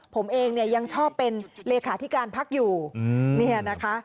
ผมเองเนี่ยยังชอบเป็นเลขาธิการพักอยู่เนี่ยนะคะ